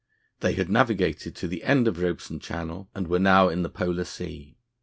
They had navigated to the end of Robeson Channel and were now in the Polar Sea.